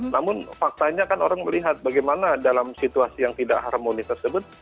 namun faktanya kan orang melihat bagaimana dalam situasi yang tidak harmoni tersebut